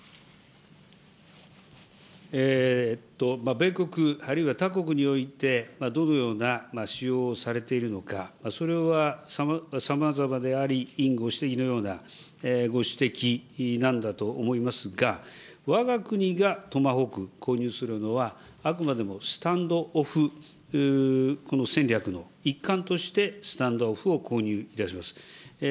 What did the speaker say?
米国、あるいは他国において、どのような使用をされているのか、それはさまざまであり、委員ご指摘のようなご指摘なんだと思いますが、わが国がトマホーク購入するのは、あくまでもスタンドオフ戦略の一環として、スタンドオフを購入いたします。